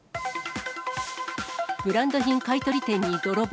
ブランド品買い取り店に泥棒。